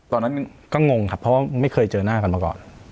ตอนนั้นก็งงครับเพราะว่าไม่เคยเจอหน้ากันมาก่อน